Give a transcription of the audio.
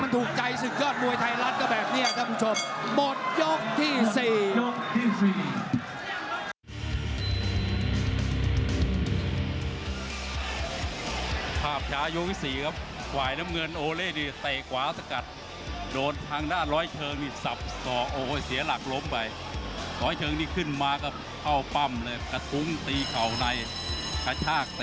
มันถูกใจซึ่งเกิดมวยไทยรัฐก็แบบนี้ครับท่านผู้ชม